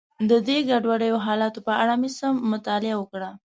د دې ګډوډو حالاتو په اړه مې څه مطالعه وکړه.